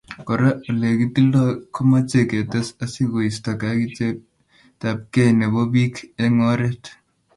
Kora Ole kitildoe komochei ketes asi koisto kakichetabkei nebo bik eng oret